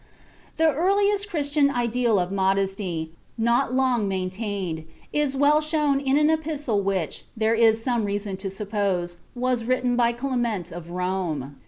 The earliest Christian ideal of modesty, not long maintained, is well shown in an epistle which, there is some reason to suppose, was written by Clement of Rome.